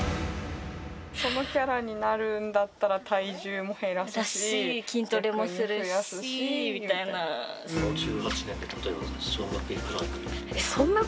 そのキャラになるんだったら、体重も減らすし、筋トレもするしみたいな。